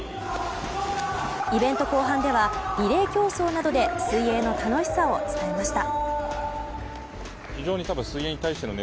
イベント後半ではリレー競争などで水泳の楽しさを伝えました。